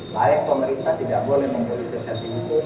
baik pemerintah tidak boleh mempolitisasi usur